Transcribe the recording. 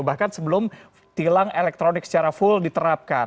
bahkan sebelum tilang elektronik secara full diterapkan